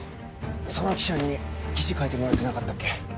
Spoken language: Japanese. その記者に記事書いてもらってなかったっけ？